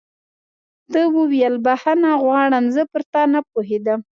ده وویل: بخښنه غواړم، زه پر تا نه پوهېدم.